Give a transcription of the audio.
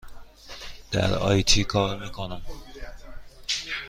در آی تی کار می کنم.